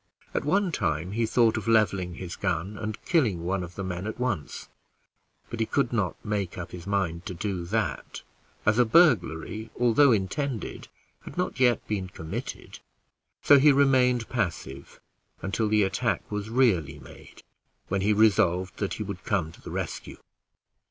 At one time, he thought of leveling his gun and killing one of the men at once; but he could not make up his mind to do that, as a burglary, although intended, had not yet been committed; so he remained passive until the attack was really made, when he resolved that he would come to the rescue.